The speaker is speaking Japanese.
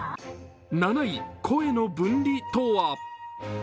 ７位、声の分離とは？